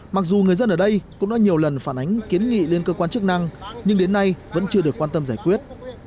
mặc dù người dân ở đây cũng đã nhiều lần phản ánh kiến nghị lên cơ quan chức năng nhưng đến nay vẫn chưa được quan tâm giải quyết